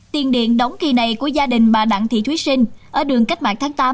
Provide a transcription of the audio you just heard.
tiền điện đóng kỳ này của gia đình bà đặng thị thúy sinh ở đường cách mạng tháng tám